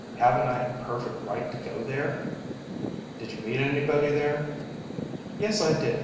Haven't I a perfect right to go there?" "Did you meet anybody there?" "Yes, I did.